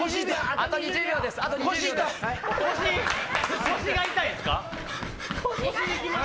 あと１５秒です！